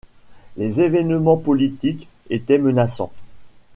Les événements politiques étaient menaçants.